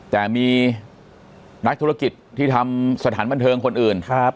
แต่มีนักธุรกิจที่ทำสถานบันเทิงคนอื่น